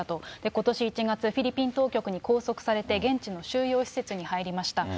ことし１月、フィリピン当局に拘束されて、現地の収容施設に入りました。